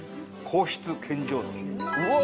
皇室献上のり。